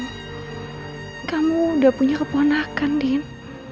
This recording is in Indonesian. andai kamu lihat pasti kamu mau gendong